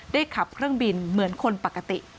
ขับเครื่องบินเหมือนคนปกติ